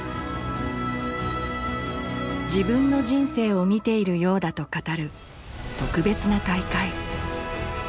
自分の人生を見ているようだと語る特別な大会。